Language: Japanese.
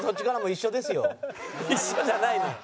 一緒じゃないのよ。